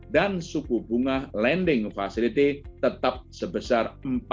dan suku bunga lending facility tetap sebesar empat dua puluh lima